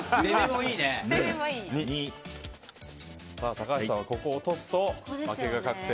高橋さんはここを落とすと負けが確定。